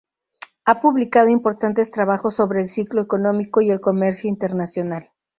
Ha publicado importantes trabajos sobre el ciclo económico y el comercio internacional.